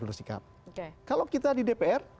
bersikap kalau kita di dpr